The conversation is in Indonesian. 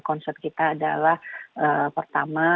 concern kita adalah pertama